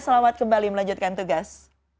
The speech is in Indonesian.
selamat kembali melanjutkan tugas